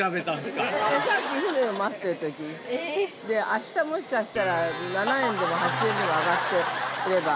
明日もしかしたら７円でも８円でも上がって売れば。